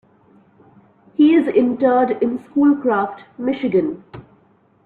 He is interred in Schoolcraft, Michigan.